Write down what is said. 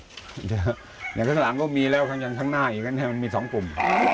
ครั้งหลานก็มีแล้วอย่างทั้งหน้าอีกก็แเรียงสองกลุ่ม